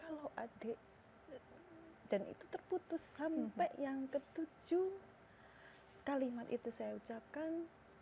hai kalau adik dan itu terputus sampai yang ke tujuh nya hai kalimat itu saya ucapkan